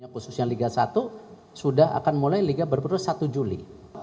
khususnya liga satu sudah akan mulai liga berputus satu juli